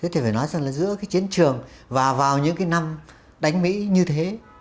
thì phải nói rằng là giữa cái chiến trường và vào những cái năm đánh mỹ như thế